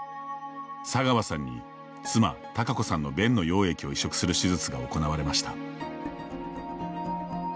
佐川さんに、妻・貴子さんの便の溶液を移植する手術が行われました。